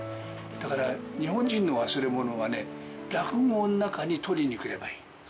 だから、日本人の忘れ物はね、落語の中に取りに来ればいい。